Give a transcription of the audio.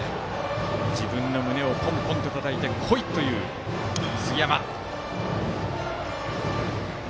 自分の胸をポンポンとたたいて来いという杉山のジェスチャー。